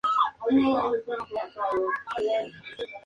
En otras palabras, Lisa podía celebrar Navidad siendo budista.